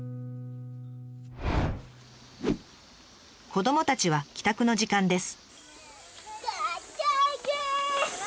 子どもたちは帰宅の時間です。